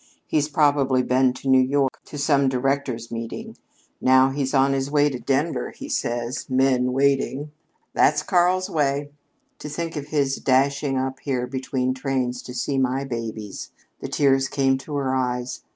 He's probably been to New York to some directors' meeting. Now he's on his way to Denver, he says 'men waiting.' That's Karl's way. To think of his dashing up here between trains to see my babies!" The tears came to her eyes.